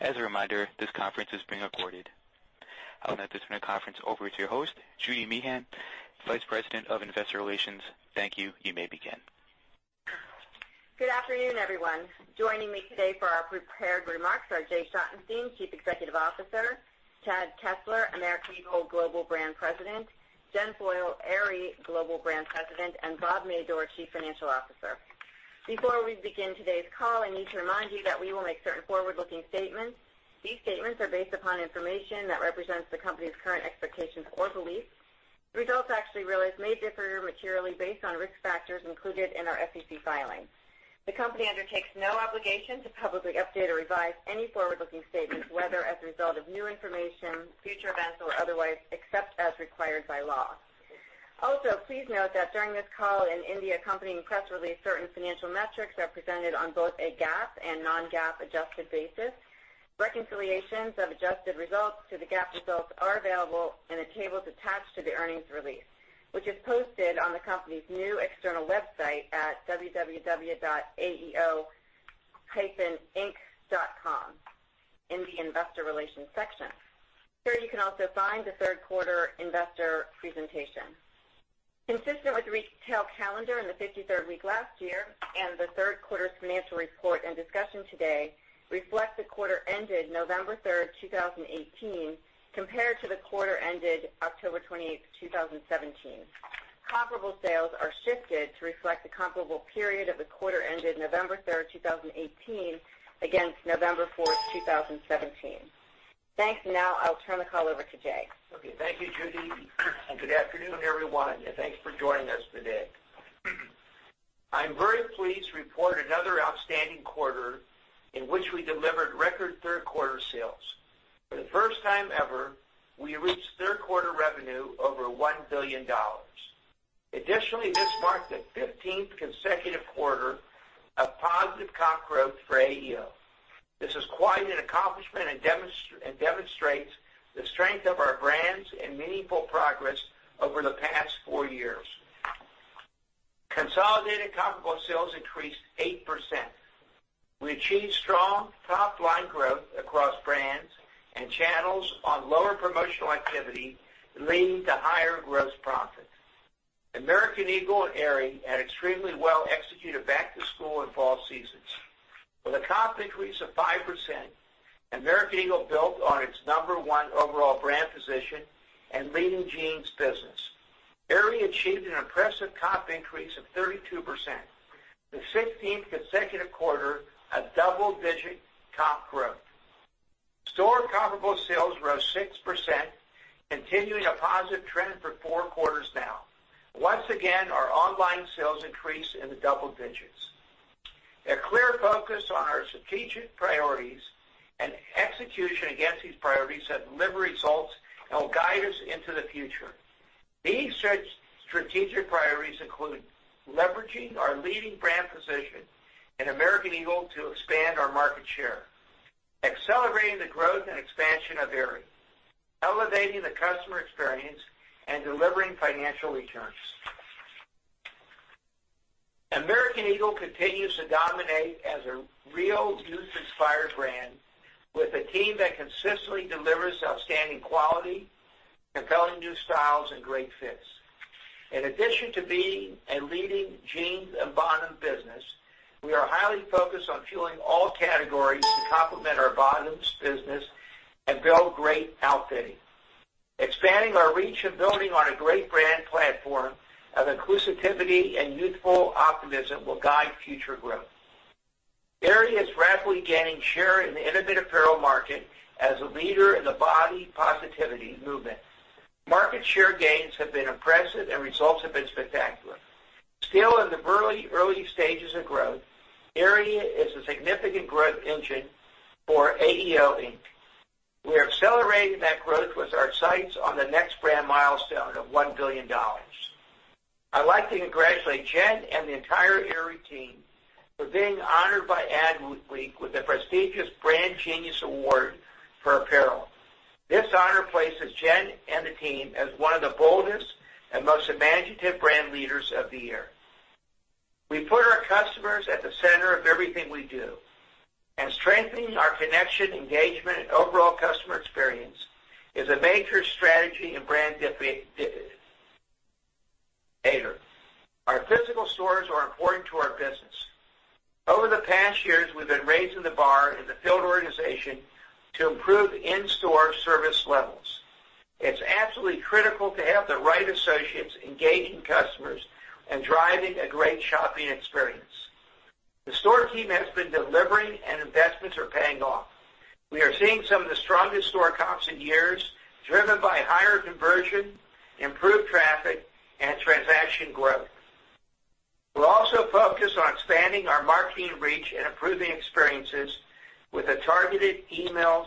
As a reminder, this conference is being recorded. I'll now turn the conference over to your host, Judy Meehan, Vice President of Investor Relations. Thank you. You may begin. Good afternoon, everyone. Joining me today for our prepared remarks are Jay Schottenstein, Chief Executive Officer, Chad Kessler, American Eagle Global Brand President, Jen Foyle, Aerie Global Brand President, and Bob Madore, Chief Financial Officer. Before we begin today's call, I need to remind you that we will make certain forward-looking statements. These statements are based upon information that represents the company's current expectations or beliefs. Results actually realized may differ materially based on risk factors included in our SEC filings. The company undertakes no obligation to publicly update or revise any forward-looking statements, whether as a result of new information, future events, or otherwise, except as required by law. Also, please note that during this call and in the accompanying press release, certain financial metrics are presented on both a GAAP and non-GAAP adjusted basis. Reconciliations of adjusted results to the GAAP results are available in the tables attached to the earnings release, which is posted on the company's new external website at www.aeo-inc.com in the investor relations section. There you can also find the third quarter investor presentation. Consistent with the retail calendar in the 53rd week last year and the third quarter's financial report and discussion today reflect the quarter ended November third, 2018, compared to the quarter ended October 28th, 2017. Comparable sales are shifted to reflect the comparable period of the quarter ended November third, 2018, against November fourth, 2017. Thanks. Now I'll turn the call over to Jay. Okay. Thank you, Judy, and good afternoon, everyone, and thanks for joining us today. I'm very pleased to report another outstanding quarter in which we delivered record third-quarter sales. For the first time ever, we reached third-quarter revenue over $1 billion. Additionally, this marked the 15th consecutive quarter of positive comp growth for AEO. This is quite an accomplishment and demonstrates the strength of our brands and meaningful progress over the past four years. Consolidated comparable sales increased 8%. We achieved strong top-line growth across brands and channels on lower promotional activity, leading to higher gross profit. American Eagle Aerie had extremely well-executed back-to-school and fall seasons. With a comp increase of 5%, American Eagle built on its number one overall brand position and leading jeans business. Aerie achieved an impressive comp increase of 32%, the 16th consecutive quarter of double-digit comp growth. Store comparable sales rose 6%, continuing a positive trend for four quarters now. Once again, our online sales increased in the double digits. A clear focus on our strategic priorities and execution against these priorities have delivered results and will guide us into the future. These strategic priorities include leveraging our leading brand position in American Eagle to expand our market share, accelerating the growth and expansion of Aerie, elevating the customer experience, and delivering financial returns. American Eagle continues to dominate as a real youth-inspired brand with a team that consistently delivers outstanding quality, compelling new styles, and great fits. In addition to being a leading jeans and bottoms business, we are highly focused on fueling all categories to complement our bottoms business and build great outfitting. Expanding our reach and building on a great brand platform of inclusivity and youthful optimism will guide future growth. Aerie is rapidly gaining share in the intimate apparel market as a leader in the body positivity movement. Market share gains have been impressive, and results have been spectacular. Still in the early stages of growth, Aerie is a significant growth engine for AEO Inc. We are accelerating that growth with our sights on the next brand milestone of $1 billion. I'd like to congratulate Jen and the entire Aerie team for being honored by Adweek with the prestigious Brand Genius award for apparel. This honor places Jen and the team as one of the boldest and most imaginative brand leaders of the year. We put our customers at the center of everything we do, and strengthening our connection, engagement, and overall customer experience is a major strategy and brand differentiator. Our physical stores are important to our business. Over the past years, we've been raising the bar in the field organization to improve in-store service levels. It's absolutely critical to have the right associates engaging customers and driving a great shopping experience. The store team has been delivering, and investments are paying off. We are seeing some of the strongest store comps in years, driven by higher conversion, improved traffic, and transaction growth. We're also focused on expanding our marketing reach and improving experiences with targeted emails,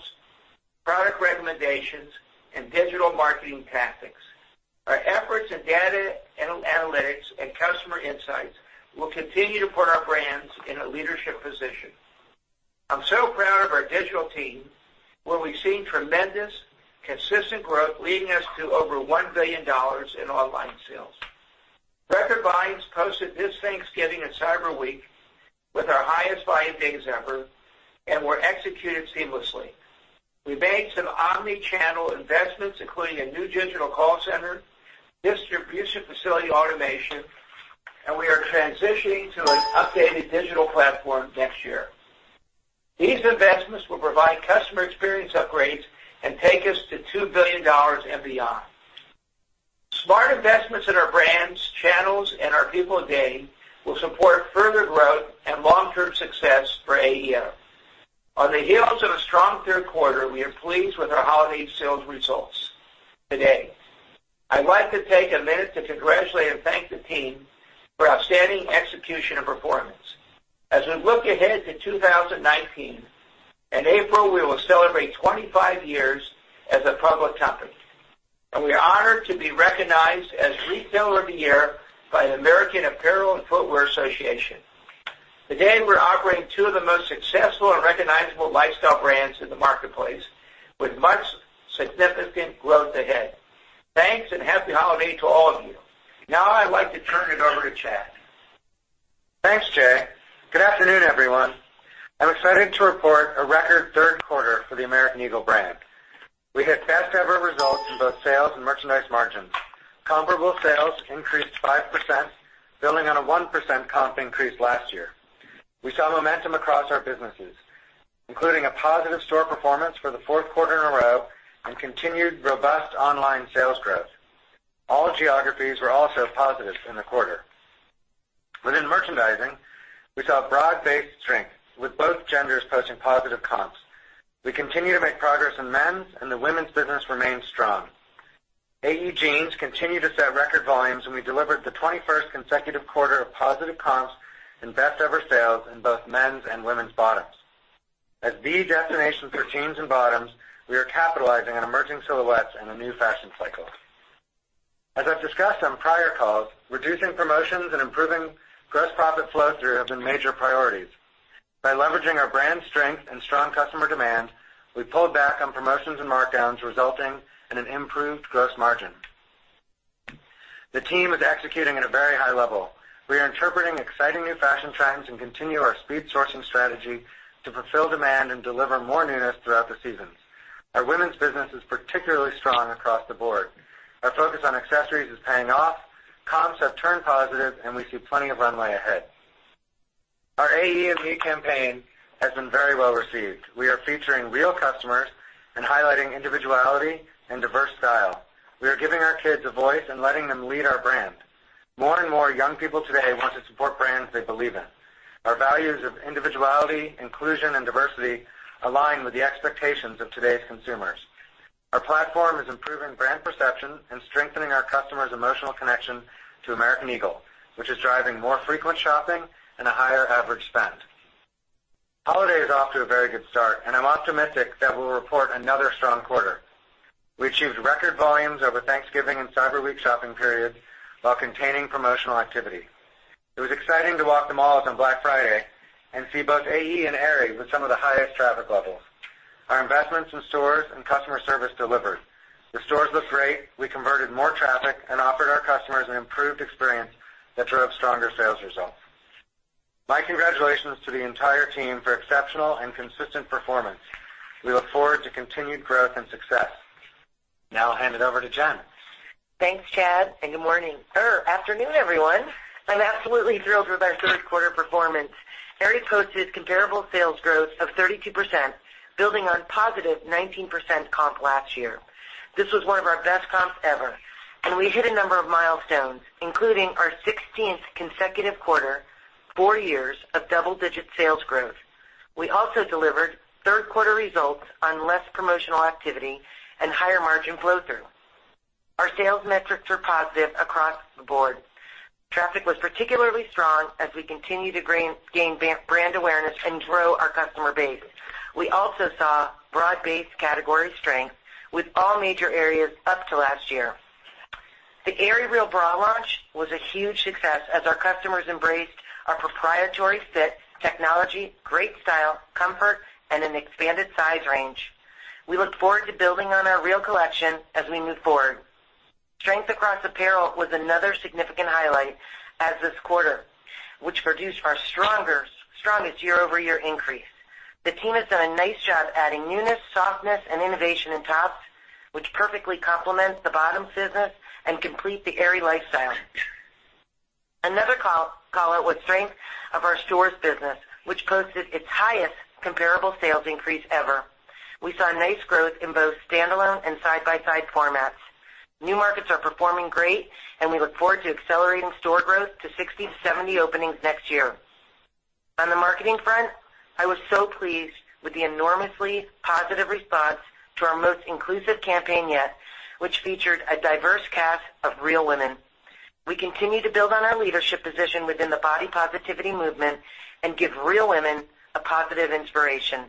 product recommendations, and digital marketing tactics. Our efforts in data analytics and customer insights will continue to put our brands in a leadership position. I'm so proud of our digital team, where we've seen tremendous consistent growth leading us to over $1 billion in online sales. Record volumes posted this Thanksgiving and Cyber Week with our highest volume days ever, and were executed seamlessly. We made some omni-channel investments, including a new digital call center, distribution facility automation, and we are transitioning to an updated digital platform next year. These investments will provide customer experience upgrades and take us to $2 billion and beyond. Smart investments in our brands, channels, and our people today will support further growth and long-term success for AEO. On the heels of a strong third quarter, we are pleased with our holiday sales results today. I'd like to take a minute to congratulate and thank the team for outstanding execution and performance. As we look ahead to 2019, in April, we will celebrate 25 years as a public company, and we are honored to be recognized as Retailer of the Year by the American Apparel & Footwear Association. Today, we're operating two of the most successful and recognizable lifestyle brands in the marketplace with much significant growth ahead. Thanks. Happy Holiday to all of you. Now I'd like to turn it over to Chad. Thanks, Jay. Good afternoon, everyone. I'm excited to report a record third quarter for the American Eagle brand. We had best-ever results in both sales and merchandise margins. Comparable sales increased 5%, building on a 1% comp increase last year. We saw momentum across our businesses, including a positive store performance for the fourth quarter in a row and continued robust online sales growth. All geographies were also positive in the quarter. Within merchandising, we saw broad-based strength with both genders posting positive comps. We continue to make progress in men's, and the women's business remains strong. AE jeans continue to set record volumes, and we delivered the 21st consecutive quarter of positive comps and best-ever sales in both men's and women's bottoms. As the destination for jeans and bottoms, we are capitalizing on emerging silhouettes and a new fashion cycle. As I've discussed on prior calls, reducing promotions and improving gross profit flow-through have been major priorities. By leveraging our brand strength and strong customer demand, we pulled back on promotions and markdowns, resulting in an improved gross margin. The team is executing at a very high level. We are interpreting exciting new fashion trends and continue our speed sourcing strategy to fulfill demand and deliver more newness throughout the seasons. Our women's business is particularly strong across the board. Our focus on accessories is paying off. Comps have turned positive, and we see plenty of runway ahead. Our AExME campaign has been very well received. We are featuring real customers and highlighting individuality and diverse style. We are giving our kids a voice and letting them lead our brand. More and more young people today want to support brands they believe in. Our values of individuality, inclusion, and diversity align with the expectations of today's consumers. Our platform is improving brand perception and strengthening our customers' emotional connection to American Eagle, which is driving more frequent shopping and a higher average spend. Holiday is off to a very good start, and I'm optimistic that we'll report another strong quarter. We achieved record volumes over Thanksgiving and Cyber Week shopping periods while containing promotional activity. It was exciting to walk the malls on Black Friday and see both AE and Aerie with some of the highest traffic levels. Our investments in stores and customer service delivered. The stores looked great. We converted more traffic and offered our customers an improved experience that drove stronger sales results. My congratulations to the entire team for exceptional and consistent performance. We look forward to continued growth and success. I'll hand it over to Jen. Thanks, Chad, and good morning, or afternoon, everyone. I'm absolutely thrilled with our third quarter performance. Aerie posted comparable sales growth of 32%, building on positive 19% comp last year. This was one of our best comps ever. We hit a number of milestones, including our 16th consecutive quarter, four years of double-digit sales growth. We also delivered third quarter results on less promotional activity and higher merch margin flow-through. Our sales metrics were positive across the board. Traffic was particularly strong as we continue to gain brand awareness and grow our customer base. We also saw broad-based category strength with all major areas up to last year. The Aerie Real Bra launch was a huge success as our customers embraced our proprietary fit, technology, great style, comfort, and an expanded size range. We look forward to building on our Real collection as we move forward. Strength across apparel was another significant highlight as this quarter, which produced our strongest year-over-year increase. The team has done a nice job adding newness, softness, and innovation in tops, which perfectly complements the bottoms business and completes the Aerie lifestyle. Another call-out was strength of our stores business, which posted its highest comparable sales increase ever. We saw nice growth in both standalone and side-by-side formats. New markets are performing great. We look forward to accelerating store growth to 60-70 openings next year. On the marketing front, I was so pleased with the enormously positive response to our most inclusive campaign yet, which featured a diverse cast of real women. We continue to build on our leadership position within the body positivity movement and give real women a positive inspiration.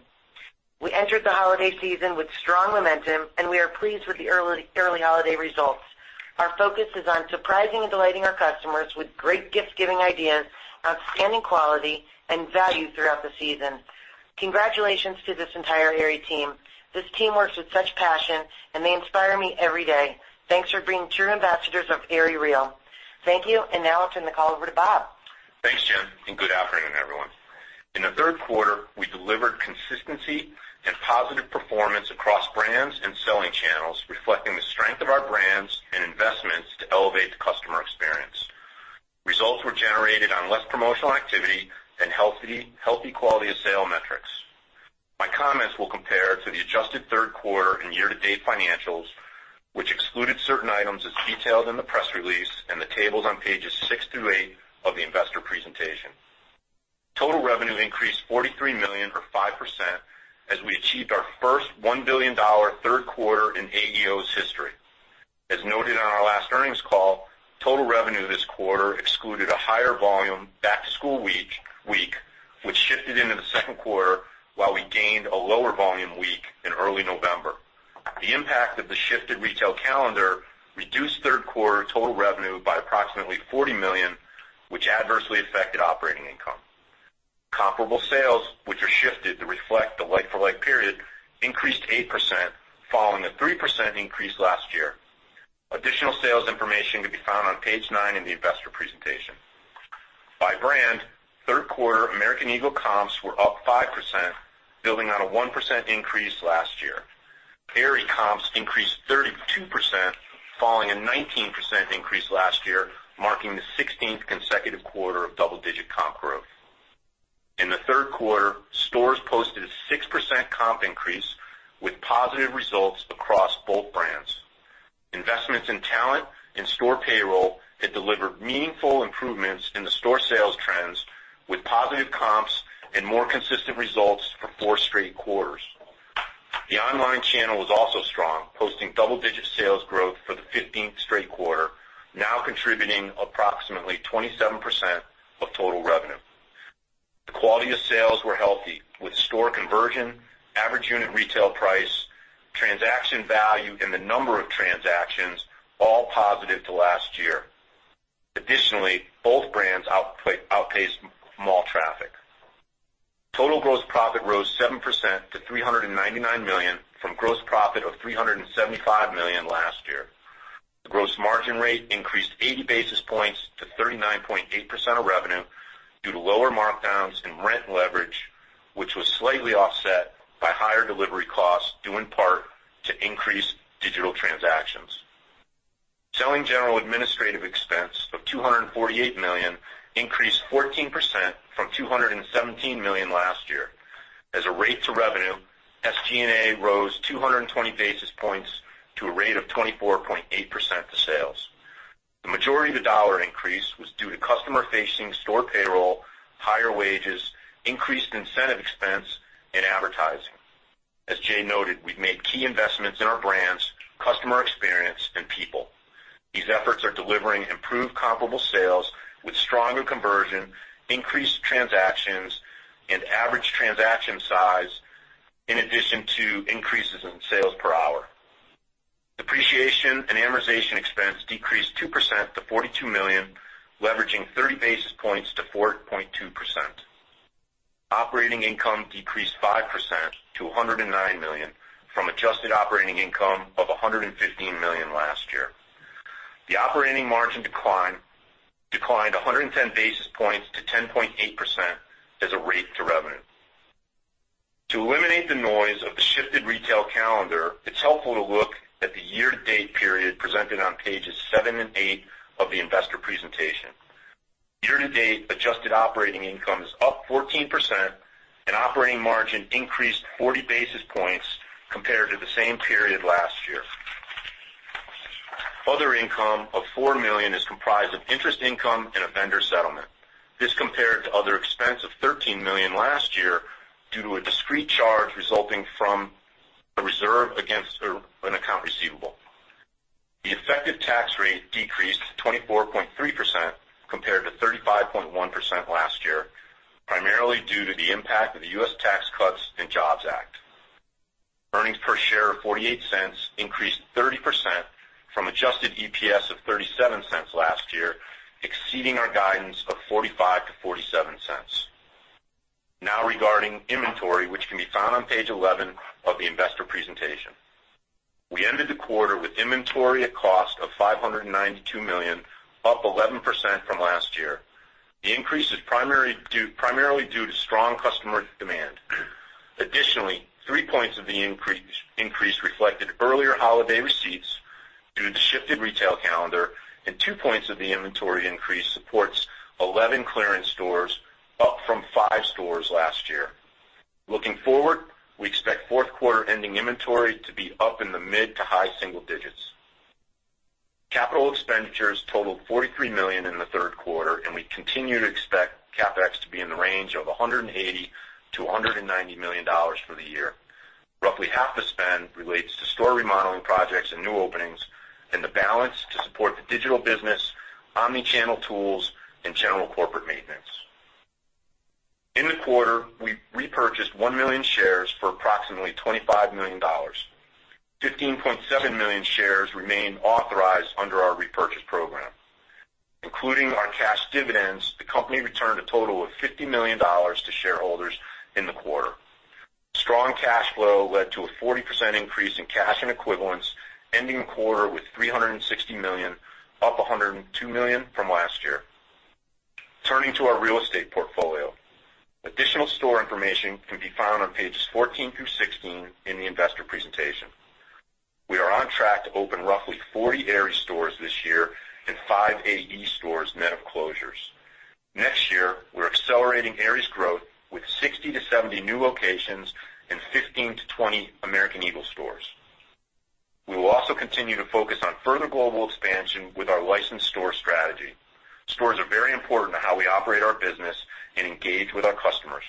We entered the holiday season with strong momentum. We are pleased with the early holiday results. Our focus is on surprising and delighting our customers with great gift-giving ideas, outstanding quality, and value throughout the season. Congratulations to this entire Aerie team. This team works with such passion. They inspire me every day. Thanks for being true ambassadors of Aerie Real. Thank you. Now I'll turn the call over to Bob. Thanks, Jen, and good afternoon, everyone. In the third quarter, we delivered consistency and positive performance across brands and selling channels, reflecting the strength of our brands and investments to elevate the customer experience. Results were generated on less promotional activity and healthy quality of sale metrics. My comments will compare to the adjusted third quarter and year-to-date financials, which excluded certain items as detailed in the press release and the tables on pages six through eight of the investor presentation. Total revenue increased $43 million, or 5%, as we achieved our first $1 billion third quarter in AEO's history. As noted on our last earnings call, total revenue this quarter excluded a higher volume back-to-school week, which shifted into the second quarter while we gained a lower volume week in early November. The impact of the shifted retail calendar reduced third quarter total revenue by approximately $40 million, which adversely affected operating income. Comparable sales, which are shifted to reflect the like-for-like period, increased 8%, following a 3% increase last year. Additional sales information can be found on page nine in the investor presentation. By brand, third quarter American Eagle comps were up 5%, building on a 1% increase last year. Aerie comps increased 32%, following a 19% increase last year, marking the 16th consecutive quarter of double-digit comp growth. In the third quarter, stores posted a 6% comp increase with positive results across both brands. Investments in talent and store payroll have delivered meaningful improvements in the store sales trends with positive comps and more consistent results for four straight quarters. The online channel was also strong, posting double-digit sales growth for the 15th straight quarter, now contributing approximately 27% of total revenue. The quality of sales were healthy, with store conversion, average unit retail price, transaction value, and the number of transactions all positive to last year. Additionally, both brands outpaced mall traffic. Total gross profit rose 7% to $399 million from gross profit of $375 million last year. The gross margin rate increased 80 basis points to 39.8% of revenue due to lower markdowns and rent leverage, which was slightly offset by higher delivery costs, due in part to increased digital transactions. Selling, general, administrative expense of $248 million increased 14% from $217 million last year. As a rate to revenue, SG&A rose 220 basis points to a rate of 24.8% to sales. The majority of the dollar increase was due to customer-facing store payroll, higher wages, increased incentive expense, and advertising. As Jay noted, we've made key investments in our brands, customer experience, and people. These efforts are delivering improved comparable sales with stronger conversion, increased transactions, and average transaction size, in addition to increases in sales per hour. Depreciation and amortization expense decreased 2% to $42 million, leveraging 30 basis points to 4.2%. Operating income decreased 5% to $109 million from adjusted operating income of $115 million last year. The operating margin declined 110 basis points to 10.8% as a rate to revenue. To eliminate the noise of the shifted retail calendar, it's helpful to look at the year-to-date period presented on pages seven and eight of the investor presentation. Year-to-date adjusted operating income is up 14%, and operating margin increased 40 basis points compared to the same period last year. Other income of $4 million is comprised of interest income and a vendor settlement. This compared to other expense of $13 million last year due to a discrete charge resulting from a reserve against an account receivable. The effective tax rate decreased to 24.3% compared to 35.1% last year, primarily due to the impact of the U.S. Tax Cuts and Jobs Act. Earnings per share of $0.48 increased 30% from adjusted EPS of $0.37 last year, exceeding our guidance of $0.45-$0.47. Now regarding inventory, which can be found on page 11 of the investor presentation. We ended the quarter with inventory at cost of $592 million, up 11% from last year. The increase is primarily due to strong customer demand. Additionally, three points of the increase reflected earlier holiday receipts due to the shifted retail calendar, and two points of the inventory increase supports 11 clearance stores, up from five stores last year. Looking forward, we expect fourth quarter ending inventory to be up in the mid to high single digits. Capital expenditures totaled $43 million in the third quarter, and we continue to expect CapEx to be in the range of $180 million-$190 million for the year. Roughly half the spend relates to store remodeling projects and new openings, and the balance to support the digital business, omni-channel tools, and general corporate maintenance. In the quarter, we repurchased one million shares for approximately $25 million. 15.7 million shares remain authorized under our repurchase program. Including our cash dividends, the company returned a total of $50 million to shareholders in the quarter. Strong cash flow led to a 40% increase in cash and equivalents ending the quarter with $360 million, up $102 million from last year. Turning to our real estate portfolio. Additional store information can be found on pages 14 through 16 in the investor presentation. We are on track to open roughly 40 Aerie stores this year and five AE stores net of closures. Next year, we're accelerating Aerie's growth with 60-70 new locations and 15-20 American Eagle stores. We will also continue to focus on further global expansion with our licensed store strategy. Stores are very important to how we operate our business and engage with our customers.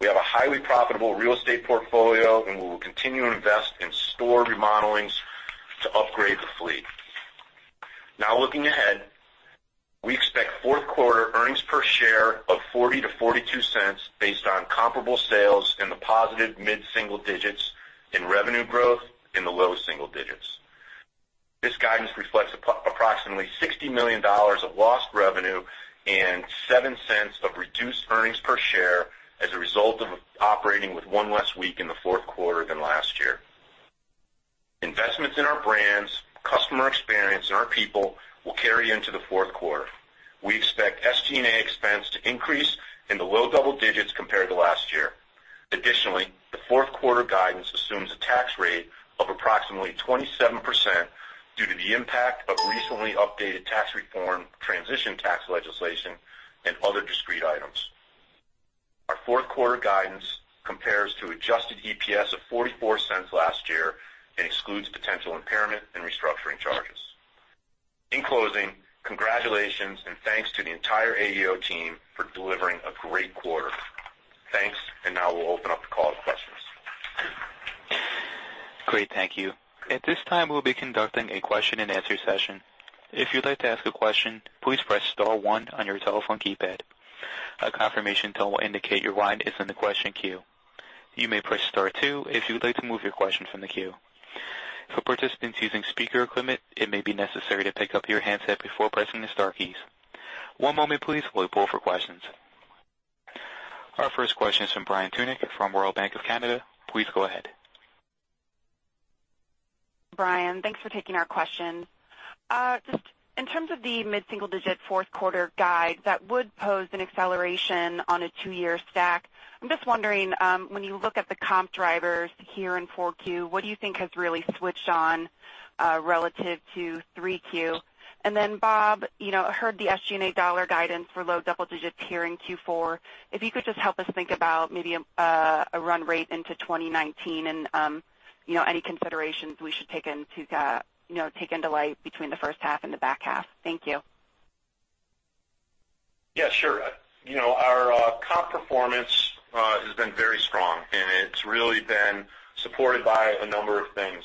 We have a highly profitable real estate portfolio, and we will continue to invest in store remodelings to upgrade the fleet. Looking ahead, we expect fourth quarter earnings per share of $0.40-$0.42 based on comparable sales in the positive mid-single digits and revenue growth in the low single digits. This guidance reflects approximately $60 million of lost revenue and $0.07 of reduced earnings per share as a result of operating with one less week in the fourth quarter than last year. Investments in our brands, customer experience, and our people will carry into the fourth quarter. We expect SG&A expense to increase in the low double digits compared to last year. The fourth quarter guidance assumes a tax rate of approximately 27% due to the impact of recently updated tax reform, transition tax legislation, and other discrete items. Our fourth quarter guidance compares to adjusted EPS of $0.44 last year and excludes potential impairment and restructuring charges. In closing, congratulations and thanks to the entire AEO team for delivering a great quarter. Thanks. Now we'll open up the call for questions. Great. Thank you. At this time, we'll be conducting a question and answer session. If you'd like to ask a question, please press star one on your telephone keypad. A confirmation tone will indicate your line is in the question queue. You may press star two if you would like to move your question from the queue. For participants using speaker equipment, it may be necessary to pick up your handset before pressing the star keys. One moment please while we pull for questions. Our first question is from Brian Tunick from Royal Bank of Canada. Please go ahead. Brian, thanks for taking our question. Just in terms of the mid-single digit fourth quarter guide, that would pose an acceleration on a two-year stack. I'm just wondering, when you look at the comp drivers here in 4Q, what do you think has really switched on, relative to 3Q? Bob, I heard the SG&A dollar guidance for low double digits here in Q4. If you could just help us think about maybe a run rate into 2019 and any considerations we should take into light between the first half and the back half. Thank you. Sure. Our comp performance has been very strong, and it's really been supported by a number of things.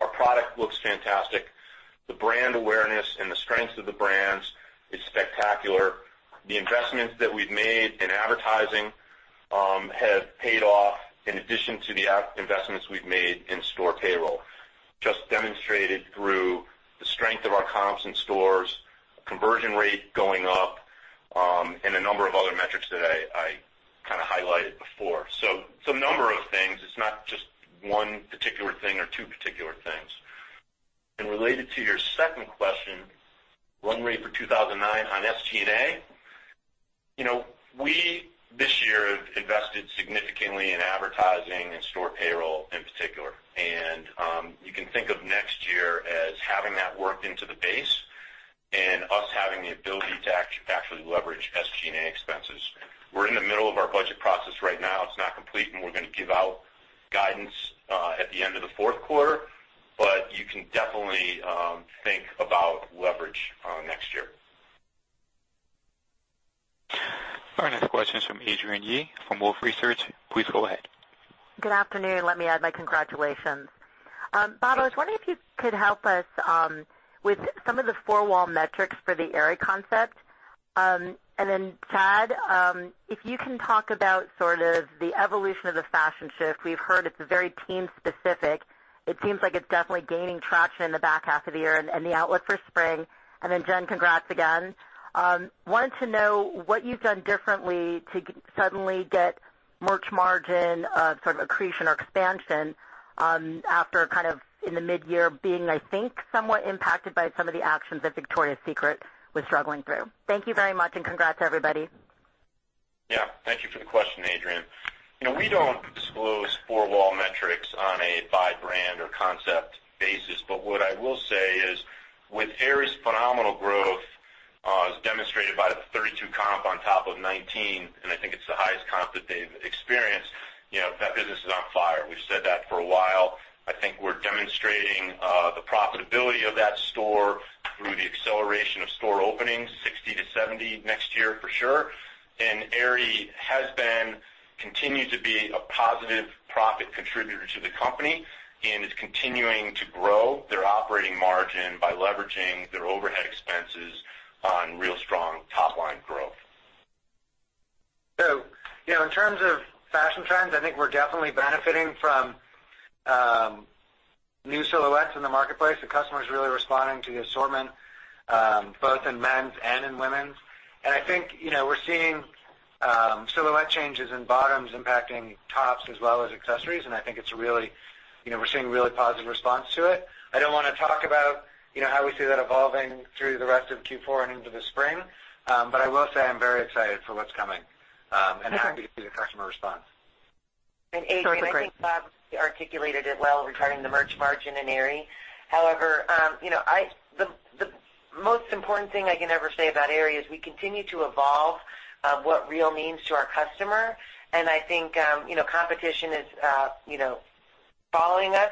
Our product looks fantastic. The brand awareness and the strengths of the brands is spectacular. The investments that we've made in advertising have paid off in addition to the investments we've made in store payroll, just demonstrated through the strength of our comps in stores, conversion rate going up, and a number of other metrics that I highlighted before. Some number of things. It's not just one particular thing or two particular things. Related to your second question, run rate for 2019 on SG&A. We, this year, have invested significantly in advertising and store payroll in particular. You can think of next year as having that worked into the base and us having the ability to actually leverage SG&A expenses. We're in the middle of our budget process right now. It's not complete, we're going to give out guidance at the end of the fourth quarter. You can definitely think about leverage next year. Our next question is from Adrienne Yih from Wolfe Research. Please go ahead. Good afternoon. Let me add my congratulations. Bob, I was wondering if you could help us with some of the four-wall metrics for the Aerie concept. Chad, if you can talk about sort of the evolution of the fashion shift. We've heard it's very team specific. It seems like it's definitely gaining traction in the back half of the year and the outlook for spring. Jen, congrats again. Wanted to know what you've done differently to suddenly get merch margin sort of accretion or expansion, after kind of in the mid-year being, I think, somewhat impacted by some of the actions that Victoria's Secret was struggling through. Thank you very much, and congrats, everybody. Thank you for the question, Adrienne. We don't disclose four-wall metrics on a by brand or concept basis. What I will say is, with Aerie's phenomenal growth, as demonstrated by the 32 comp on top of 19, and I think it's the highest comp that they've experienced. That business is on fire. We've said that for a while. I think we're demonstrating the profitability of that store through the acceleration of store openings, 60-70 next year for sure. Aerie has been continuing to be a positive profit contributor to the company and is continuing to grow their operating margin by leveraging their overhead expenses on real strong top-line growth. In terms of fashion trends, I think we're definitely benefiting from new silhouettes in the marketplace. The customer's really responding to the assortment both in men's and in women's. I think we're seeing silhouette changes in bottoms impacting tops as well as accessories, and I think we're seeing really positive response to it. I don't want to talk about how we see that evolving through the rest of Q4 and into the spring. I will say I'm very excited for what's coming and happy to see the customer response. Adrienne, I think Bob articulated it well regarding the merch margin in Aerie. However, the most important thing I can ever say about Aerie is we continue to evolve what Real means to our customer. I think competition is following us,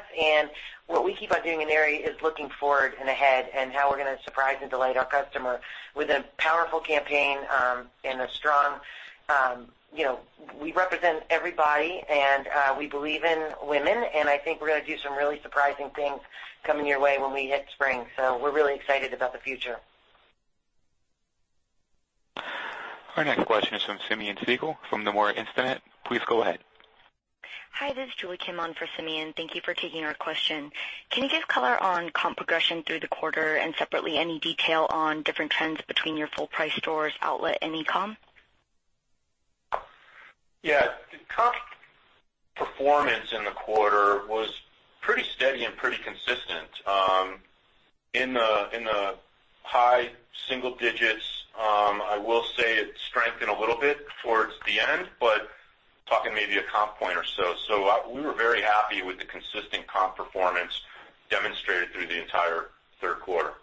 what we keep on doing in Aerie is looking forward and ahead and how we're going to surprise and delight our customer with a powerful campaign and a strong, we represent everybody, we believe in women, I think we're going to do some really surprising things coming your way when we hit spring. We're really excited about the future. Our next question is from Simeon Siegel from Nomura Instinet. Please go ahead. Hi, this is Julie Kim on for Simeon. Thank you for taking our question. Can you give color on comp progression through the quarter and separately, any detail on different trends between your full price stores, outlet, and e-com? Yeah. The comp performance in the quarter was pretty steady and pretty consistent. In the high single digits, I will say it strengthened a little bit towards the end, but talking maybe a comp point or so. We were very happy with the consistent comp performance demonstrated through the entire third quarter.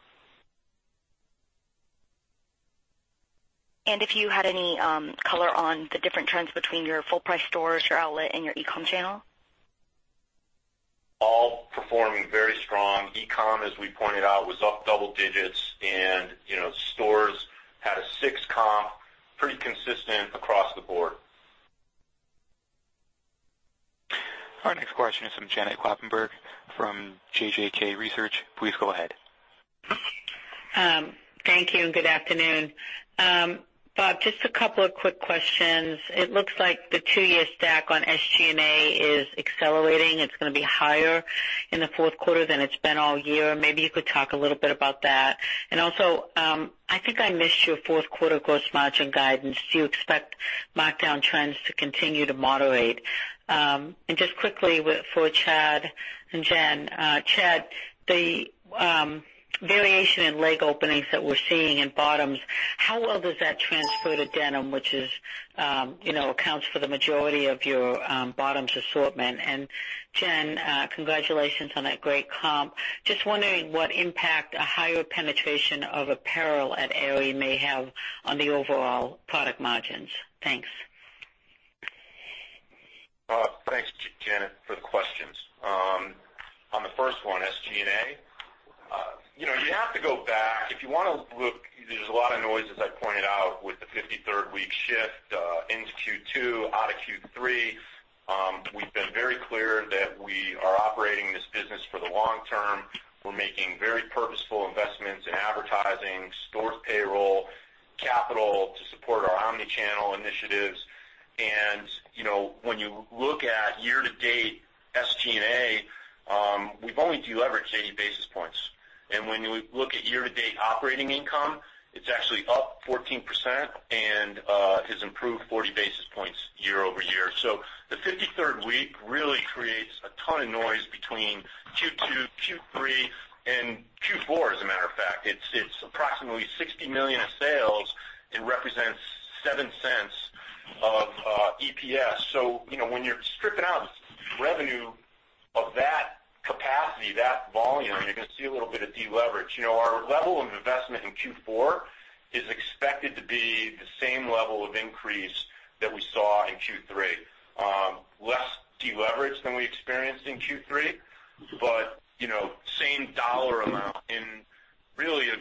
If you had any color on the different trends between your full price stores, your outlet, and your e-com channel. All performing very strong. E-com, as we pointed out, was up double digits, and stores had a six comp, pretty consistent across the board. Our next question is from Janet Kloppenburg from JJK Research. Please go ahead. Thank you, and good afternoon. Bob, just a couple of quick questions. It looks like the two-year stack on SG&A is accelerating. It's going to be higher in the fourth quarter than it's been all year. Maybe you could talk a little bit about that. Also, I think I missed your fourth quarter gross margin guidance. Do you expect markdown trends to continue to moderate? Just quickly for Chad and Jen. Chad, the variation in leg openings that we're seeing in bottoms, how well does that transfer to denim, which accounts for the majority of your bottoms assortment? Jen, congratulations on that great comp. Just wondering what impact a higher penetration of apparel at Aerie may have on the overall product margins. Thanks. Thanks, Janet, for the questions. On the first one, SG&A, you have to go back. If you want to look, there's a lot of noise, as I pointed out, with the 53rd week shift into Q2, out of Q3. We've been very clear that we are operating this business for the long term. We're making very purposeful investments in advertising, store payroll, capital to support our omni-channel initiatives. When you look at year-to-date SG&A, we've only deleveraged 80 basis points. When you look at year-to-date operating income, it's actually up 14% and has improved 40 basis points year-over-year. The 53rd week really creates a ton of noise between Q2, Q3, and Q4, as a matter of fact. It's approximately $60 million of sales. It represents $0.07 of EPS. When you're stripping out revenue of that capacity, that volume, you're going to see a little bit of deleverage. Our level of investment in Q4 is expected to be the same level of increase that we saw in Q3. Less deleverage than we experienced in Q3, but same dollar amount.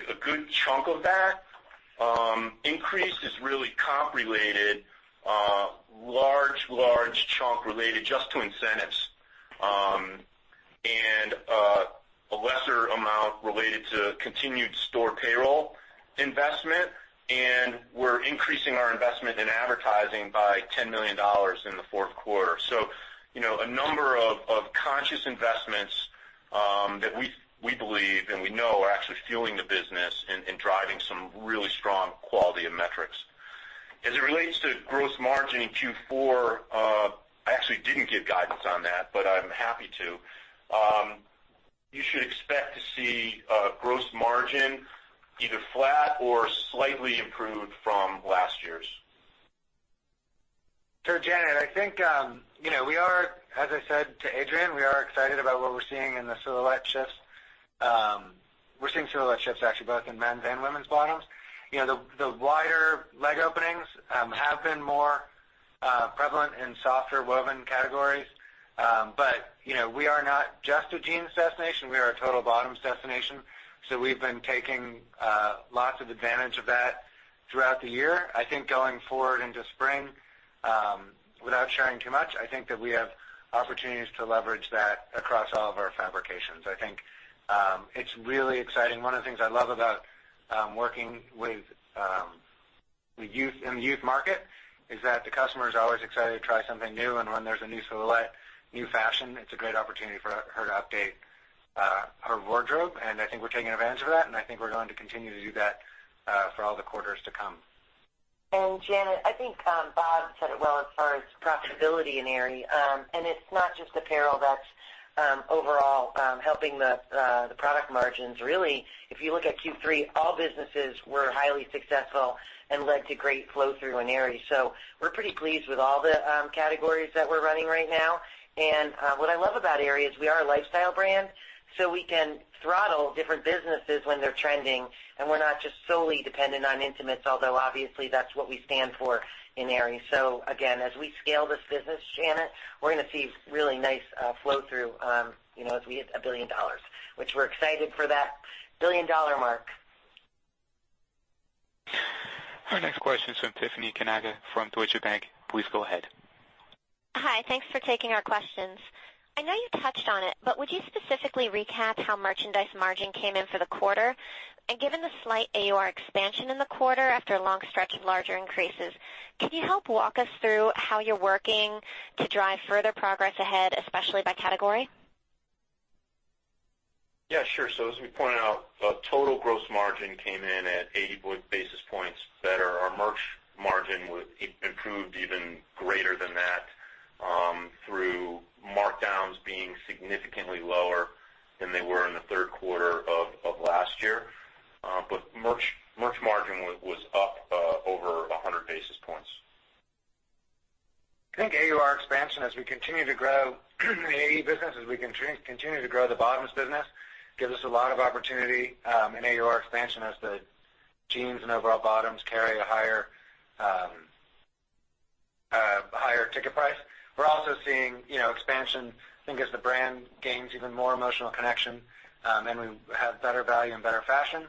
A good chunk of that increase is really comp related, a large chunk related just to incentives. A lesser amount related to continued store payroll investment. We're increasing our investment in advertising by $10 million in the fourth quarter. A number of conscious investments that we believe and we know are actually fueling the business and driving some really strong quality and metrics. As it relates to gross margin in Q4, I actually didn't give guidance on that, but I'm happy to. You should expect to see gross margin either flat or slightly improved from last year's. Janet, I think, as I said to Adrienne, we are excited about what we're seeing in the silhouette shifts. We're seeing silhouette shifts actually both in men's and women's bottoms. The wider leg openings have been more prevalent in softer woven categories. We are not just a jeans destination, we are a total bottoms destination. We've been taking lots of advantage of that throughout the year. I think going forward into spring, without sharing too much, I think that we have opportunities to leverage that across all of our fabrications. I think it's really exciting. One of the things I love about working with youth in the youth market is that the customer is always excited to try something new. When there's a new silhouette, new fashion, it's a great opportunity for her to update her wardrobe. I think we're taking advantage of that, and I think we're going to continue to do that for all the quarters to come. Janet, I think Bob said it well as far as profitability in Aerie. It's not just apparel that's overall helping the product margins. Really, if you look at Q3, all businesses were highly successful and led to great flow-through in Aerie. We're pretty pleased with all the categories that we're running right now. What I love about Aerie is we are a lifestyle brand, so we can throttle different businesses when they're trending, and we're not just solely dependent on intimates, although obviously that's what we stand for in Aerie. Again, as we scale this business, Janet, we're going to see really nice flow-through as we hit $1 billion, which we're excited for that billion-dollar mark. Our next question is from Tiffany Kanaga from Deutsche Bank. Please go ahead. Hi. Thanks for taking our questions. I know you touched on it, but would you specifically recap how merchandise margin came in for the quarter? Given the slight AUR expansion in the quarter after a long stretch of larger increases, can you help walk us through how you're working to drive further progress ahead, especially by category? As we pointed out, our total gross margin came in at 80 basis points better. Our merch margin improved even greater than that through markdowns being significantly lower than they were in the third quarter of last year. Merch margin was up over 100 basis points. I think AUR expansion, as we continue to grow the AE business, as we continue to grow the bottoms business, gives us a lot of opportunity in AUR expansion as the jeans and overall bottoms carry a higher ticket price. We're also seeing expansion, I think, as the brand gains even more emotional connection. We have better value and better fashion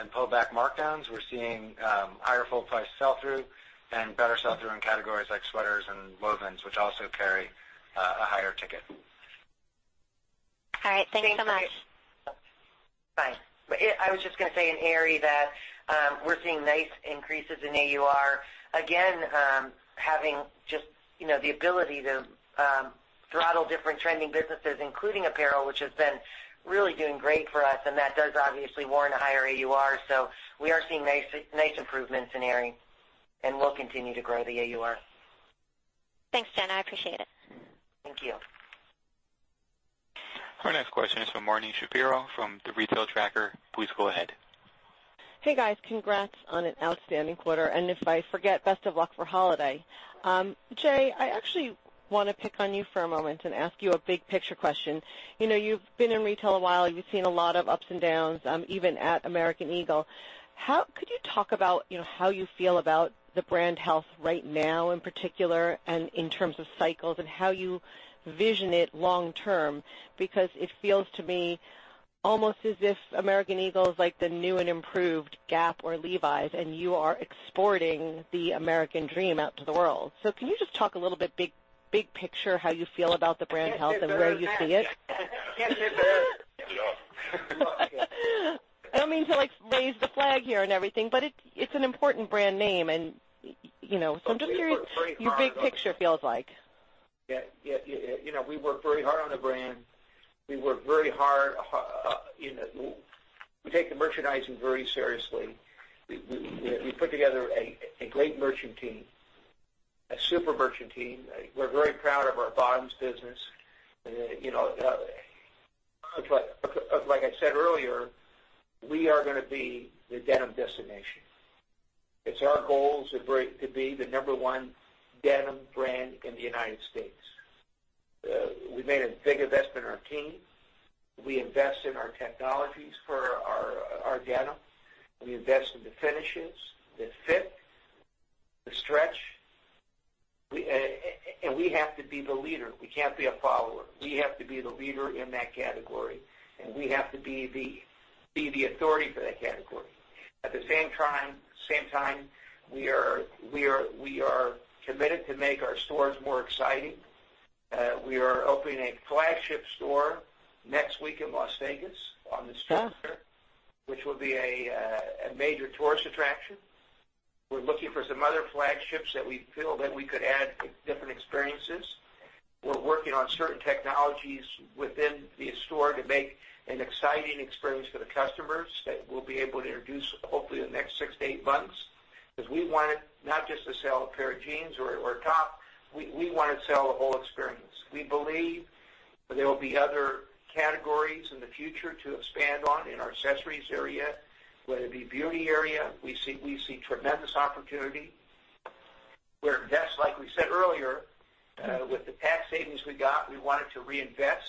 and pull back markdowns. We're seeing higher full price sell-through and better sell-through in categories like sweaters and wovens, which also carry a higher ticket. All right. Thanks so much. Hi. I was just going to say in Aerie that we're seeing nice increases in AUR. Again, having just the ability to throttle different trending businesses, including apparel, which has been really doing great for us. That does obviously warrant a higher AUR. We are seeing nice improvements in Aerie, and we'll continue to grow the AUR. Thanks, Jen. I appreciate it. Thank you. Our next question is from Marni Shapiro from The Retail Tracker. Please go ahead. Hey, guys. Congrats on an outstanding quarter. If I forget, best of luck for holiday. Jay, I actually want to pick on you for a moment and ask you a big picture question. You've been in retail a while. You've seen a lot of ups and downs, even at American Eagle. Could you talk about how you feel about the brand health right now, in particular, and in terms of cycles and how you vision it long term? Because it feels to me almost as if American Eagle is like the new and improved Gap or Levi's, and you are exporting the American dream out to the world. Can you just talk a little bit big picture, how you feel about the brand health and where you see it? Can't get better than that. I don't mean to raise the flag here and everything, but it's an important brand name and so I'm just curious. We work very hard on the brand. Your big picture feels like. Yeah. We work very hard on the brand. We work very hard. We take the merchandising very seriously. We put together a great merchant team, a super merchant team. We're very proud of our bottoms business. Like I said earlier, we are going to be the denim destination. It's our goal to be the number one denim brand in the U.S. We've made a big investment in our team. We invest in our technologies for our denim. We invest in the finishes, the fit, the stretch, and we have to be the leader. We can't be a follower. We have to be the leader in that category, and we have to be the authority for that category. At the same time, we are committed to make our stores more exciting. We are opening a flagship store next week in Las Vegas on the Strip which will be a major tourist attraction. We're looking for some other flagships that we feel that we could add different experiences. We're working on certain technologies within the store to make an exciting experience for the customers that we'll be able to introduce hopefully in the next six to eight months because we wanted not just to sell a pair of jeans or a top. We want to sell the whole experience. We believe there will be other categories in the future to expand on in our accessories area, whether it be beauty area. We see tremendous opportunity. We're investing, like we said earlier, with the tax savings we got, we wanted to reinvest.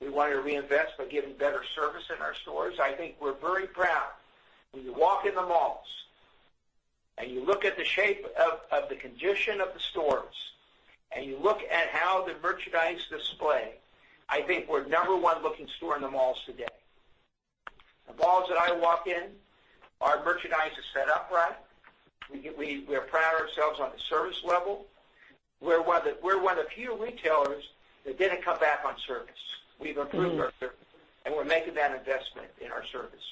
We wanted to reinvest by giving better service in our stores. I think we're very proud. When you walk in the malls, and you look at the shape of the condition of the stores, and you look at how the merchandise display, I think we're number one looking store in the malls today. The malls that I walk in, our merchandise is set up right. We pride ourselves on the service level. We're one of the few retailers that didn't cut back on service. We've improved our service, and we're making that investment in our service.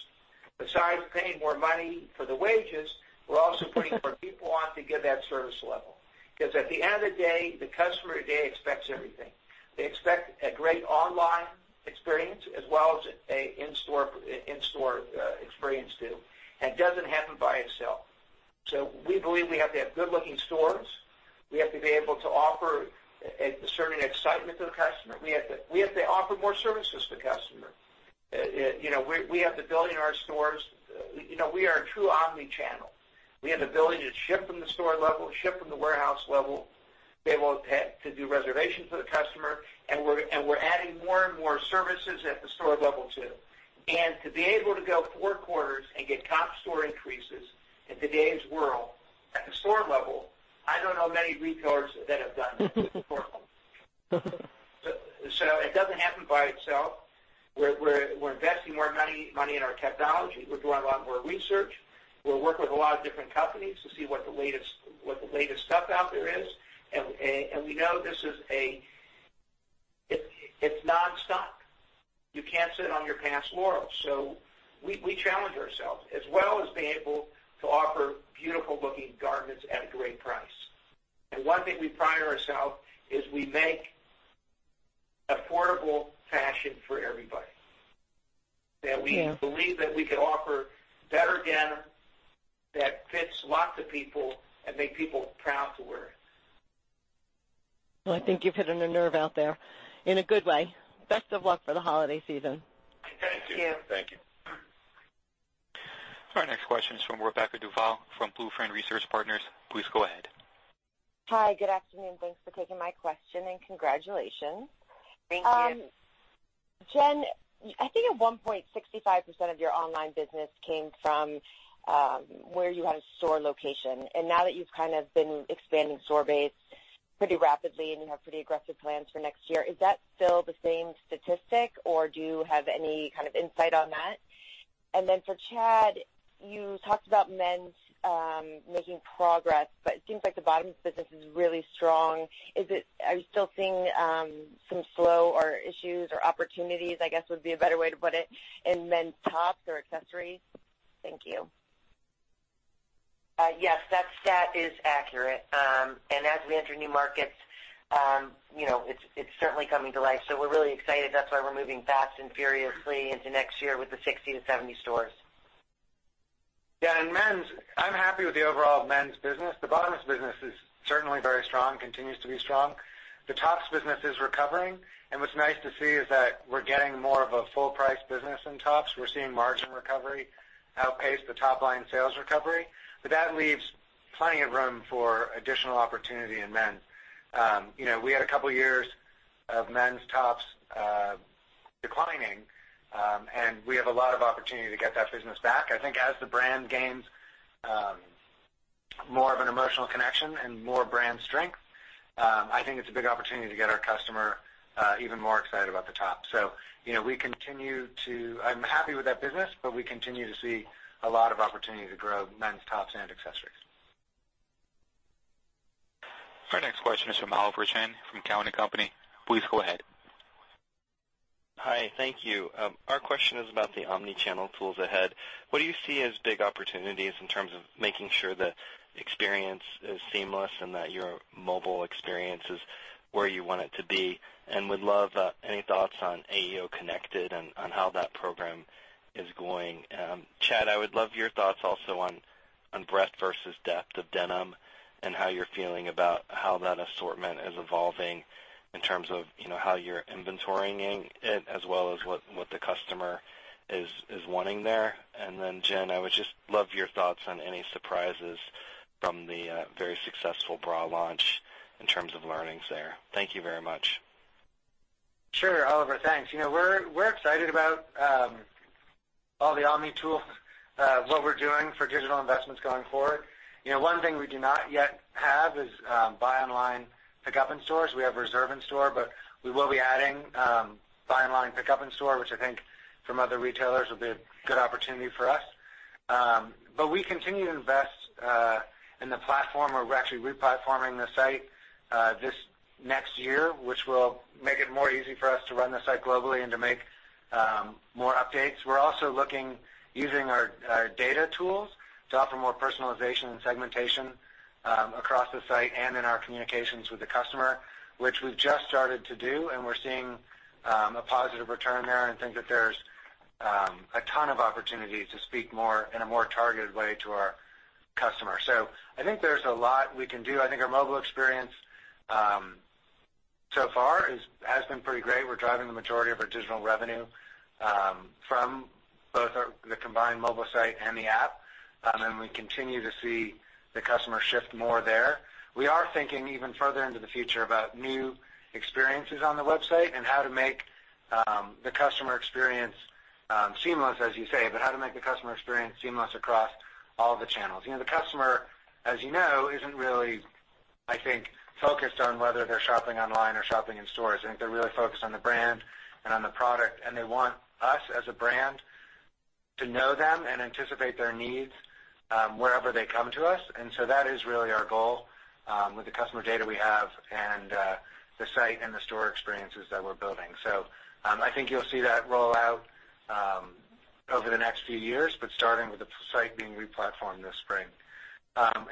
Besides paying more money for the wages, we're also putting more people on to give that service level. At the end of the day, the customer today expects everything. They expect a great online experience as well as an in-store experience too, and it doesn't happen by itself. We believe we have to have good-looking stores. We have to be able to offer a certain excitement to the customer. We have to offer more services to the customer. We have the ability in our stores. We are a true omni-channel. We have the ability to ship from the store level, ship from the warehouse level, be able to do reservations for the customer, we're adding more and more services at the store level too. To be able to go four quarters and get top store increases in today's world at the store level, I don't know many retailers that have done that at the store level. It doesn't happen by itself. We're investing more money in our technology. We're doing a lot more research. We're working with a lot of different companies to see what the latest stuff out there is, we know it's nonstop. You can't sit on your past laurels. We challenge ourselves, as well as being able to offer beautiful-looking garments at a great price. One thing we pride ourselves is we make affordable fashion for everybody. Yeah. We believe that we can offer better denim that fits lots of people and make people proud to wear it. Well, I think you've hit on a nerve out there in a good way. Best of luck for the holiday season. Thank you. Thank you. Thank you. Our next question is from Rebecca Duval from BlueFin Research Partners. Please go ahead. Hi, good afternoon. Thanks for taking my question, and congratulations. Thank you. Jen, I think at one point, 65% of your online business came from where you had a store location. Now that you've been expanding store base pretty rapidly and you have pretty aggressive plans for next year, is that still the same statistic, or do you have any kind of insight on that? For Chad, you talked about men's making progress, but it seems like the bottoms business is really strong. Are you still seeing some slow or issues or opportunities, I guess, would be a better way to put it, in men's tops or accessories? Thank you. Yes, that stat is accurate. As we enter new markets, it's certainly coming to life. We're really excited. That's why we're moving fast and furiously into next year with the 60-70 stores. In men's, I'm happy with the overall men's business. The bottoms business is certainly very strong, continues to be strong. The tops business is recovering, and what's nice to see is that we're getting more of a full-price business in tops. We're seeing merch margin recovery outpace the top-line sales recovery. That leaves plenty of room for additional opportunity in men's. We had a couple of years of men's tops declining. We have a lot of opportunity to get that business back. I think as the brand gains more of an emotional connection and more brand strength, I think it's a big opportunity to get our customer even more excited about the top. I'm happy with that business, but we continue to see a lot of opportunity to grow men's tops and accessories. Our next question is from Oliver Chen from Cowen and Company. Please go ahead. Hi. Thank you. Our question is about the omni-channel tools ahead. What do you see as big opportunities in terms of making sure the experience is seamless and that your mobile experience is where you want it to be? Would love any thoughts on AEO Connected and on how that program is going. Chad, I would love your thoughts also on breadth versus depth of denim and how you're feeling about how that assortment is evolving in terms of how you're inventorying it as well as what the customer is wanting there. Then Jen, I would just love your thoughts on any surprises from the very successful bra launch in terms of learnings there. Thank you very much. Sure. Oliver, thanks. We're excited about all the omni tools, what we're doing for digital investments going forward. One thing we do not yet have is buy online, pickup in stores. We have reserve in store, but we will be adding buy online, pickup in store, which I think from other retailers, will be a good opportunity for us. We continue to invest in the platform. We're actually re-platforming the site this next year, which will make it more easy for us to run the site globally and to make more updates. We're also looking using our data tools to offer more personalization and segmentation across the site and in our communications with the customer, which we've just started to do, and we're seeing a positive return there and think that there's a ton of opportunity to speak in a more targeted way to our customers. I think there's a lot we can do. I think our mobile experience so far has been pretty great. We're driving the majority of our digital revenue from both the combined mobile site and the app. We continue to see the customer shift more there. We are thinking even further into the future about new experiences on the website and how to make the customer experience seamless, as you say, but how to make the customer experience seamless across all the channels. The customer, as you know, isn't really I think, focused on whether they're shopping online or shopping in stores. I think they're really focused on the brand and on the product, and they want us as a brand to know them and anticipate their needs wherever they come to us. That is really our goal with the customer data we have and the site and the store experiences that we're building. I think you'll see that roll out over the next few years. Starting with the site being replatformed this spring.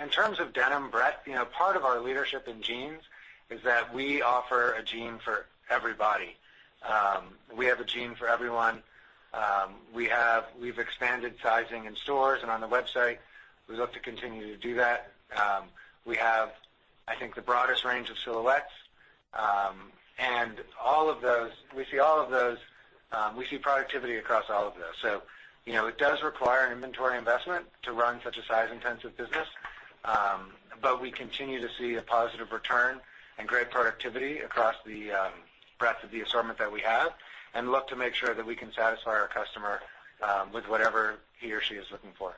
In terms of denim breadth, part of our leadership in jeans is that we offer a jean for everybody. We have a jean for everyone. We've expanded sizing in stores and on the website. We look to continue to do that. We have, I think, the broadest range of silhouettes. We see productivity across all of those. It does require an inventory investment to run such a size-intensive business. We continue to see a positive return and great productivity across the breadth of the assortment that we have and look to make sure that we can satisfy our customer with whatever he or she is looking for.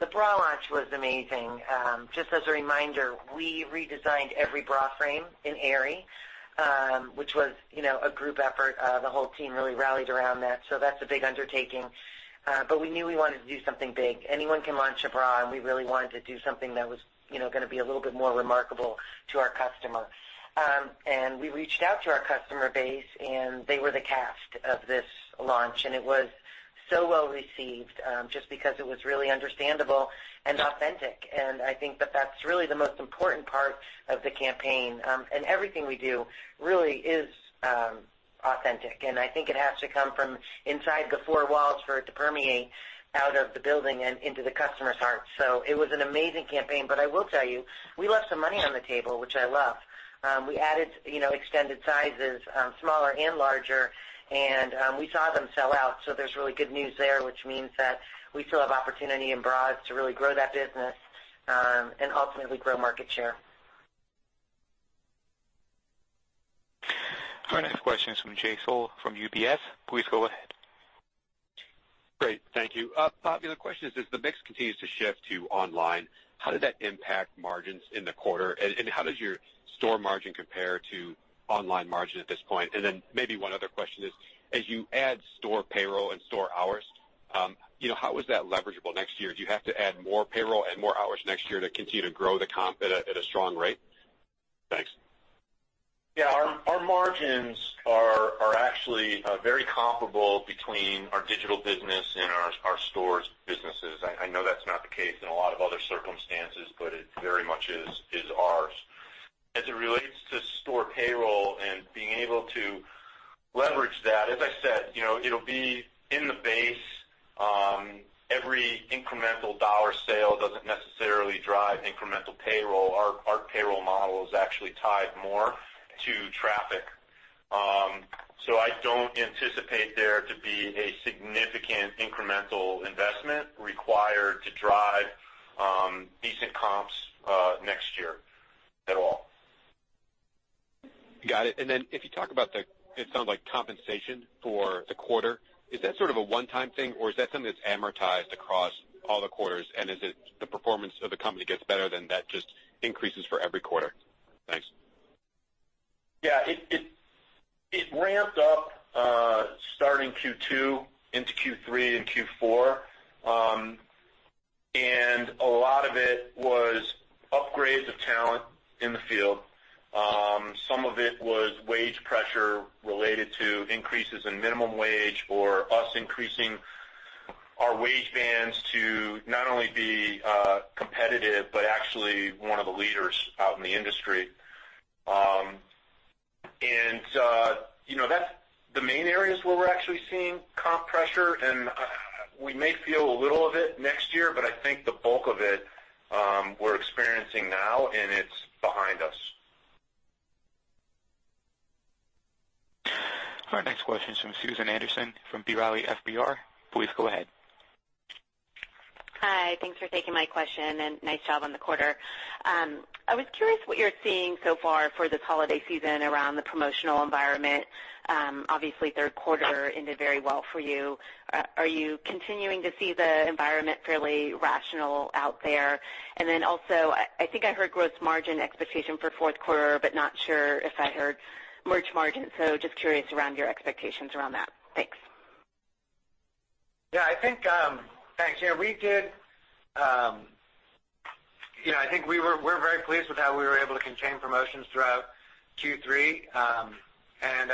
The bra launch was amazing. Just as a reminder, we redesigned every bra frame in Aerie, which was a group effort. The whole team really rallied around that. That's a big undertaking. We knew we wanted to do something big. Anyone can launch a bra, and we really wanted to do something that was going to be a little bit more remarkable to our customer. We reached out to our customer base, and they were the cast of this launch, and it was so well-received, just because it was really understandable and authentic, and I think that that's really the most important part of the campaign. Everything we do really is authentic, and I think it has to come from inside the four walls for it to permeate out of the building and into the customers' hearts. It was an amazing campaign. I will tell you, we left some money on the table, which I love. We added extended sizes, smaller and larger, and we saw them sell out. There's really good news there, which means that we still have opportunity in bras to really grow that business, and ultimately grow market share. Our next question is from Jay Sole from UBS. Please go ahead. Great. Thank you. Bob, the question is: as the mix continues to shift to online, how did that impact margins in the quarter? How does your store margin compare to online margin at this point? Maybe one other question is: as you add store payroll and store hours, how is that leverageable next year? Do you have to add more payroll and more hours next year to continue to grow the comp at a strong rate? Thanks. Yeah. Our margins are actually very comparable between our digital business and our stores businesses. I know that's not the case in a lot of other circumstances, but it very much is ours. As it relates to store payroll and being able to leverage that, as I said, it'll be in the base. Every incremental dollar sale doesn't necessarily drive incremental payroll. Our payroll model is actually tied more to traffic. I don't anticipate there to be a significant incremental investment required to drive decent comps next year, at all. Got it. If you talk about the compensation for the quarter, is that sort of a one-time thing, or is that something that's amortized across all the quarters? Is it the performance of the company gets better, then that just increases for every quarter. Thanks. Yeah. It ramped up starting Q2 into Q3 and Q4. A lot of it was upgrades of talent in the field. Some of it was wage pressure related to increases in minimum wage or us increasing our wage bands to not only be competitive, but actually one of the leaders out in the industry. That's the main areas where we're actually seeing comp pressure, and we may feel a little of it next year, but I think the bulk of it we're experiencing now, and it's behind us. Our next question is from Susan Anderson from B. Riley FBR. Please go ahead. Hi. Thanks for taking my question. Nice job on the quarter. I was curious what you're seeing so far for this holiday season around the promotional environment. Obviously, third quarter ended very well for you. Are you continuing to see the environment fairly rational out there? Also, I think I heard gross margin expectation for fourth quarter, but not sure if I heard merch margin. Just curious around your expectations around that. Thanks. Yeah, thanks. I think we're very pleased with how we were able to contain promotions throughout Q3. I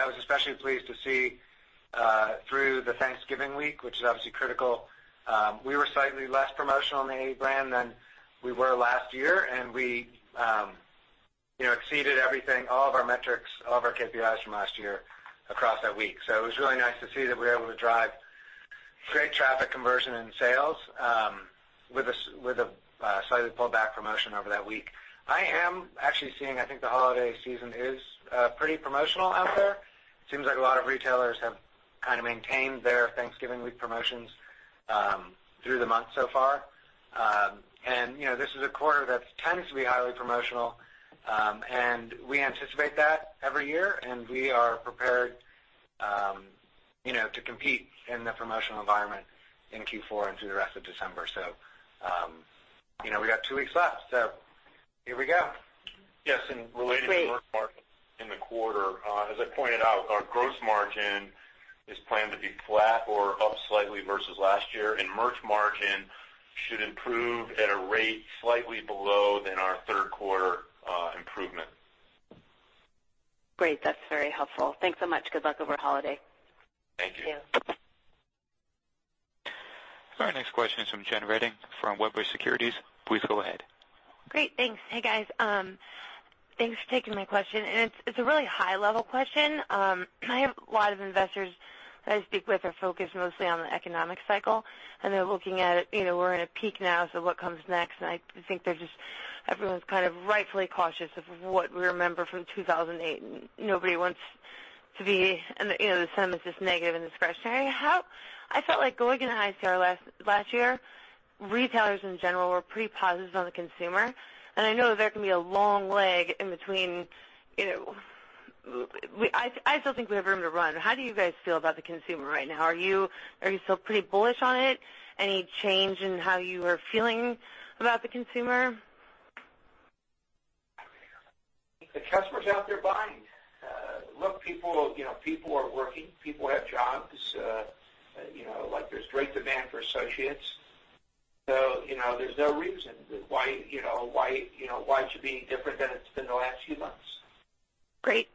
was especially pleased to see through the Thanksgiving week, which is obviously critical. We were slightly less promotional in the Aerie brand than we were last year, and we exceeded everything, all of our metrics, all of our KPIs from last year across that week. It was really nice to see that we were able to drive great traffic conversion and sales with a slightly pulled back promotion over that week. I am actually seeing, I think the holiday season is pretty promotional out there. Seems like a lot of retailers have kind of maintained their Thanksgiving week promotions through the month so far. This is a quarter that tends to be highly promotional, and we anticipate that every year, and we are prepared to compete in the promotional environment in Q4 and through the rest of December. We got two weeks left, so here we go. Yes. Relating to merch margin in the quarter. As I pointed out, our gross margin is planned to be flat or up slightly versus last year, and merch margin should improve at a rate slightly below than our third quarter improvement. Great. That's very helpful. Thanks so much. Good luck over holiday. Thank you. Thank you. Our next question is from Jen Redding from Wedbush Securities. Please go ahead. Great. Thanks. Hey, guys. Thanks for taking my question. It's a really high-level question. I have a lot of investors that I speak with are focused mostly on the economic cycle. They're looking at it, we're in a peak now, so what comes next. I think everyone's kind of rightfully cautious of what we remember from 2008. The sentiment's just negative and discretionary. I felt like going into high sale last year, retailers, in general, were pretty positive on the consumer. I know that there can be a long leg in between. I still think we have room to run. How do you guys feel about the consumer right now? Are you still pretty bullish on it? Any change in how you are feeling about the consumer? The customer's out there buying. Look, people are working, people have jobs. There's great demand for associates. There's no reason why it should be any different than it's been the last few months. Great.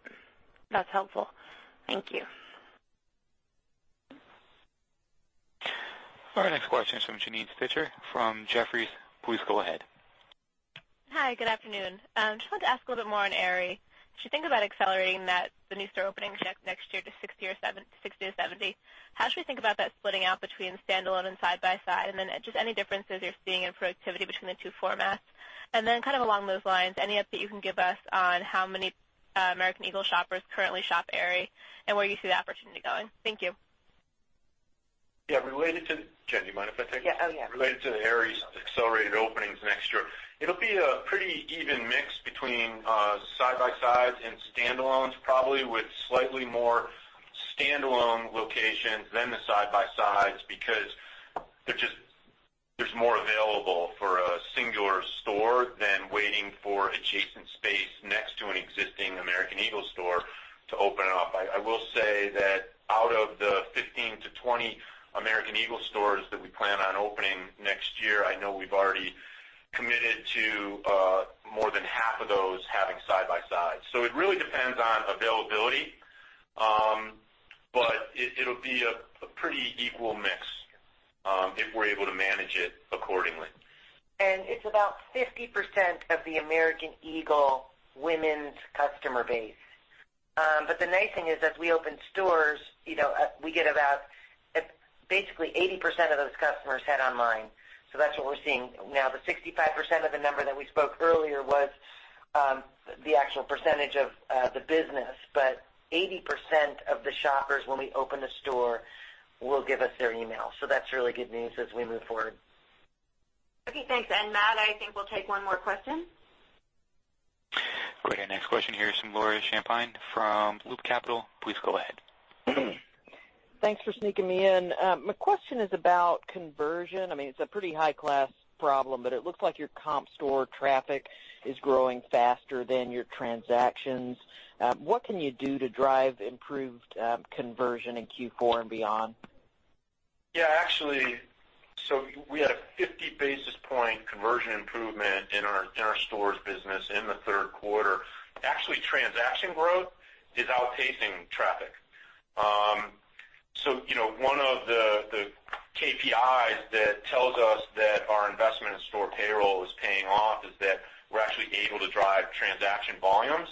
That's helpful. Thank you. Our next question is from Janine Stichter from Jefferies. Please go ahead. Hi, good afternoon. Just wanted to ask a little bit more on Aerie. As you think about accelerating the new store openings next year to 60 or 70, how should we think about that splitting out between standalone and side by side? Just any differences you're seeing in productivity between the two formats. Kind of along those lines, any update you can give us on how many American Eagle shoppers currently shop Aerie and where you see the opportunity going? Thank you. Yeah. Jen, do you mind if I take this? Yeah. Related to the Aerie's accelerated openings next year, it'll be a pretty even mix between side by sides and standalones, probably with slightly more standalone locations than the side by sides, because there's more available for a singular store than waiting for adjacent space next to an existing American Eagle store to open up. I will say that out of the 15-20 American Eagle stores that we plan on opening next year, I know we've already committed to more than half of those having side by sides. It really depends on availability. It'll be a pretty equal mix, if we're able to manage it accordingly. It's about 50% of the American Eagle women's customer base. The nice thing is, as we open stores, we get about basically 80% of those customers hit online. That's what we're seeing now. The 65% of the number that we spoke earlier was the actual percentage of the business, but 80% of the shoppers when we open a store will give us their email. That's really good news as we move forward. Okay, thanks. I think we'll take one more question. Okay, next question here is from Laura Champine from Loop Capital. Please go ahead. Thanks for sneaking me in. My question is about conversion. It's a pretty high-class problem, but it looks like your comp store traffic is growing faster than your transactions. What can you do to drive improved conversion in Q4 and beyond? Actually, we had a 50 basis point conversion improvement in our stores business in the third quarter. Actually, transaction growth is outpacing traffic. One of the KPIs that tells us that our investment in store payroll is paying off is that we're actually able to drive transaction volumes.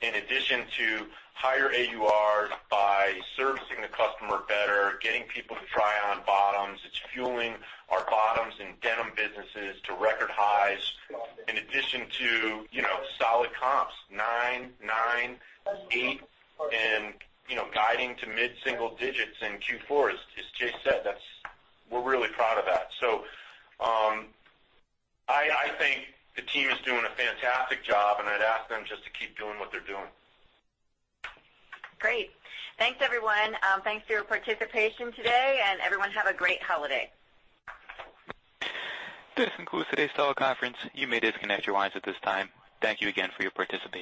In addition to higher AUR by servicing the customer better, getting people to try on bottoms, it's fueling our bottoms and denim businesses to record highs. In addition to solid comps, 9%, 9%, 8%, and guiding to mid-single digits in Q4. As Jay said, we're really proud of that. I think the team is doing a fantastic job, and I'd ask them just to keep doing what they're doing. Great. Thanks, everyone. Thanks for your participation today. Everyone have a great holiday. This concludes today's teleconference. You may disconnect your lines at this time. Thank you again for your participation.